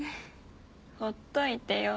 ほっといてよ。